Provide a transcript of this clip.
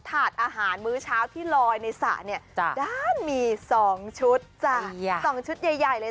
ถาดอาหารมื้อเช้าที่ลอยในสระเนี่ยด้านมี๒ชุดจ้ะ๒ชุดใหญ่เลย